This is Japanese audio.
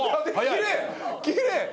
きれい！